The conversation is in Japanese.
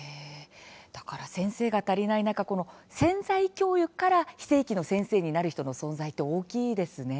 先生が足りない中潜在教諭から非正規の先生になる人の存在って大きいですね。